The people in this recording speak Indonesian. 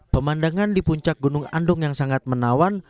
pemandangan di puncak gunung andong yang sangat menawan